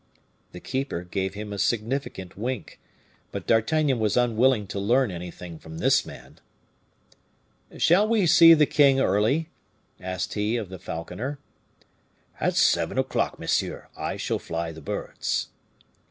The keeper gave him a significant wink; but D'Artagnan was unwilling to learn anything from this man. "Shall we see the king early?" asked he of the falconer. "At seven o'clock, monsieur, I shall fly the birds."